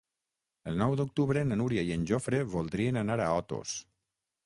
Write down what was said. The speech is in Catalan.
El nou d'octubre na Núria i en Jofre voldrien anar a Otos.